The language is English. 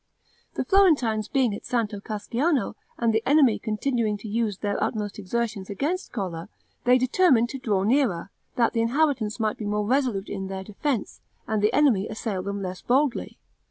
The Florentines being at Santo Casciano, and the enemy continuing to use their utmost exertions against Colle, they determined to draw nearer, that the inhabitants might be more resolute in their defense, and the enemy assail them less boldly.